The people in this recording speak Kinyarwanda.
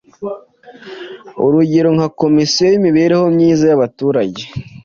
Urugero nka komisiyo y’imibereho myiza y’abaturage,